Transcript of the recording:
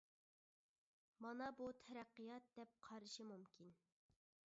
مانا بۇ تەرەققىيات دەپ قارىشى مۇمكىن.